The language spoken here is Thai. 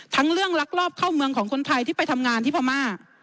เรื่องลักลอบเข้าเมืองของคนไทยที่ไปทำงานที่พม่า